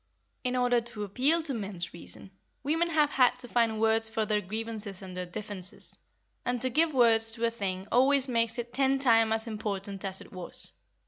In order to appeal to men's reason, women have had to find words for their grievances and their differences, and to give words to a thing always makes it ten times as important as it was.